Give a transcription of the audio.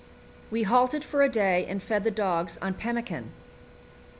We halted for a day and fed the dogs on pemmican.